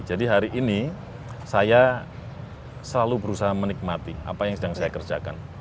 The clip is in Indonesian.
jadi hari ini saya selalu berusaha menikmati apa yang sedang saya kerjakan